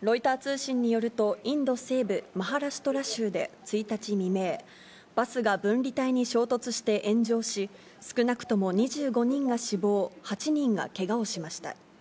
ロイター通信によるとインド西部マハラシュトラ州で１日未明、バスが分離帯に衝突して炎上し、少なくとも２５人が死亡、８人がけがをしました。